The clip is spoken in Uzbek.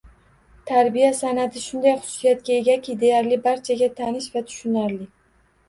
Tarbiya sanati shunday xususiyatga egaki, deyarli barchaga tanish va tushunarli